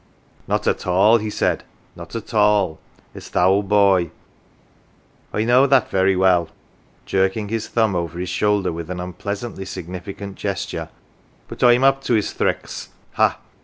" Not at all," he said, " not at all. It's th' owld boy. I know that very well "jerking his thumb over his shoulder with an unpleasantly significant gesture " but I'm up to his thricks. Ha